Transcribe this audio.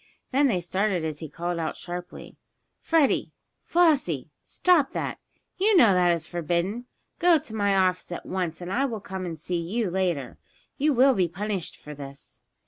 Then they started as he called out sharply: "Freddie! Flossie! Stop that! You know that it is forbidden! Go to my office at once and I will come and see you later. You will be punished for this!"